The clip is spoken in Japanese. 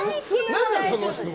何だその質問！